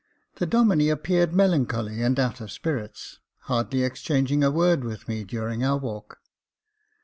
The Domine appeared melancholy and out of spirits — hardly exchanging a word with me during our walk.